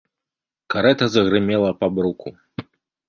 Карэта загрымела па бруку.